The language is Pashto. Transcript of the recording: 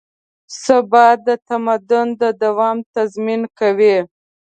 ثبات د تمدن د دوام تضمین کوي.